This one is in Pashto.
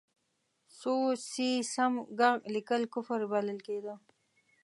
سو، سي، سم، ږغ لیکل کفر بلل کېده.